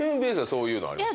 そういうのありました？